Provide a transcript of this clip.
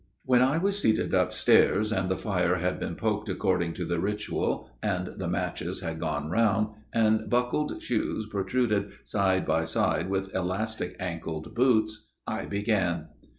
When I was seated upstairs, and the fire had been poked according to the ritual, and the matches had gone round, and buckled shoes protruded side by side with elastic ankled boots, I began.